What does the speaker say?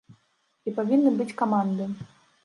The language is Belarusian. І павінны быць каманды.